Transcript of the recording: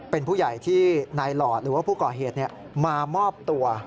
เป็นผู้ใหญ่ที่นายหลอดหรือว่าผู้ก่อเหตุมามอบตัว